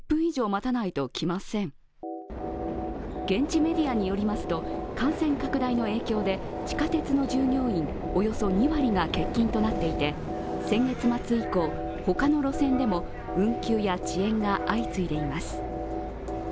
現地メディアによりますと感染拡大の影響で地下鉄の従業員およそ２割が欠勤となっていて先月末以降、他の路線でも運休や遅延が相次いでいます。